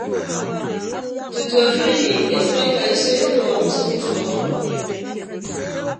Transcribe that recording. Tutu afịdini esʌk ekaiso ekọọñ usʌñ ufọk ọmmọ.